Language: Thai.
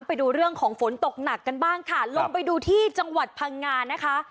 ไปดูเรื่องของฝนตกหนักกันบ้างค่ะลงไปดูที่จังหวัดพังงานะคะ